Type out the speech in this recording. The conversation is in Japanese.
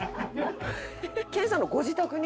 研さんのご自宅に？